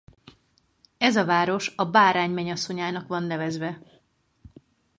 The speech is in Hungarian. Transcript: Ez a város a Bárány menyasszonyának van nevezve.